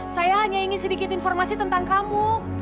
saya hanya ingin sedikit informasi tentang kamu